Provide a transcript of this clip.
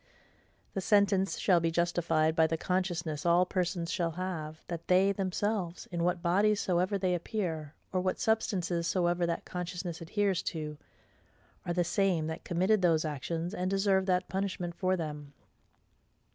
The sentence shall be justified by the consciousness all persons shall have, that THEY THEMSELVES, in what bodies soever they appear, or what substances soever that consciousness adheres to, are the SAME that committed those actions, and deserve that punishment for them.